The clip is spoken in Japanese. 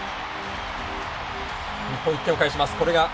日本１点を返します。